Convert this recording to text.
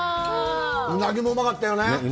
ウナギもうまかったよね。